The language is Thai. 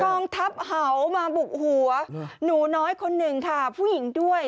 กองทัพเห่ามาบุกหัวหนูน้อยคนหนึ่งค่ะผู้หญิงด้วย